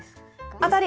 当たり！